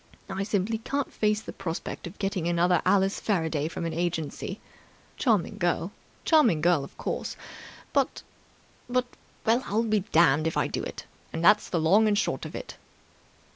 I simply can't face the prospect of getting another Alice Faraday from an agency. Charming girl, charming girl, of course, but ... but ... well, I'll be damned if I do it, and that's the long and short of it!"